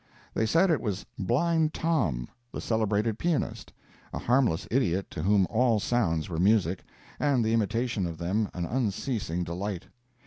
They said it was Blind Tom, the celebrated pianist—a harmless idiot to whom all sounds were music, and the imitation of them an unceasing delight.